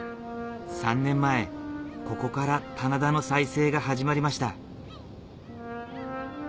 ３年前ここから棚田の再生が始まりました